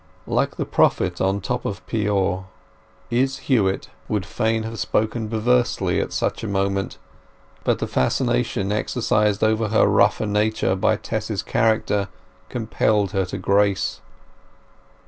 Like the prophet on the top of Peor, Izz Huett would fain have spoken perversely at such a moment, but the fascination exercised over her rougher nature by Tess's character compelled her to grace.